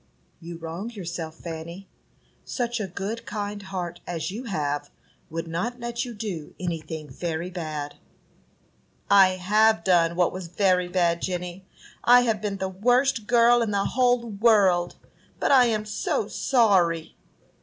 "You wrong yourself, Fanny. Such a good, kind heart as you have would not let you do anything very bad." "I have done what was very bad, Jenny; I have been the worst girl in the whole world; but I am so sorry!"